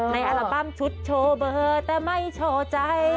อัลบั้มชุดโชว์เบอร์แต่ไม่โชว์ใจ